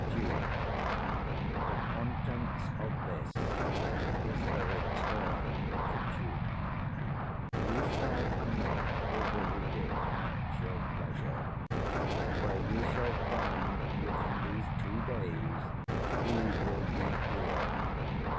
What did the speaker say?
Duke. The contents of this is the return of the Duke: 185 you shall anon over read it at your pleasure; where you shall find, within these two days he will be here.